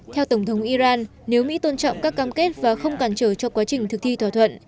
theo tổng thống iran nếu mỹ tôn trọng các cam kết và không cản trở cho quá trình thực thi thỏa thuận